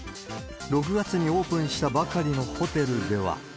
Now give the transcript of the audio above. ６月にオープンしたばかりのホテルでは。